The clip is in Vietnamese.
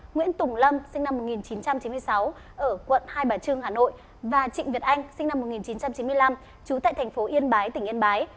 nguyễn tùng lâm sinh năm một nghìn chín trăm chín mươi sáu ở quận hai bà trưng hà nội và trịnh việt anh sinh năm một nghìn chín trăm chín mươi năm trú tại thành phố yên bái tỉnh yên bái